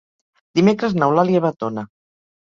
Dimecres n'Eulàlia va a Tona.